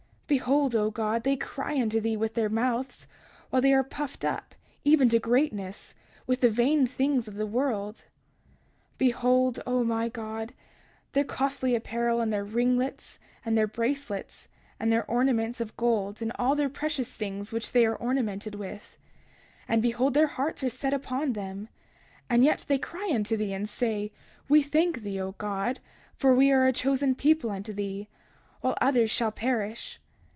Behold, O God, they cry unto thee with their mouths, while they are puffed up, even to greatness, with the vain things of the world. 31:28 Behold, O my God, their costly apparel, and their ringlets, and their bracelets, and their ornaments of gold, and all their precious things which they are ornamented with; and behold, their hearts are set upon them, and yet they cry unto thee and say—We thank thee, O God, for we are a chosen people unto thee, while others shall perish.